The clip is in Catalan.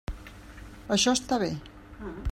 Això està bé.